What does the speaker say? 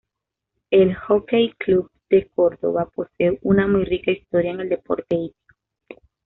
El Jockey Club de Córdoba posee una muy rica historia en el deporte hípico.